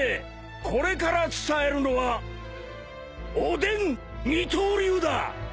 これから伝えるのはおでん二刀流だ！